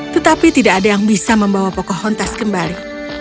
tetapi tidak ada yang bisa membawa pocahontas kembali